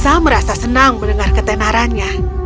sang raksasa merasa senang mendengar ketenarannya